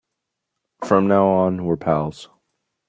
From now on we're pals.